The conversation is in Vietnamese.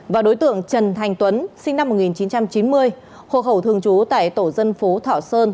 và đối tượng trần thành tuấn sinh năm một nghìn chín trăm chín mươi hộ khẩu thường trú tại tổ dân phố thọ sơn